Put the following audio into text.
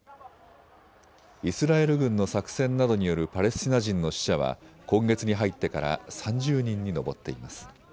イスラエル軍の作戦などによるパレスチナ人の死者は今月に入ってから３０人に上っています。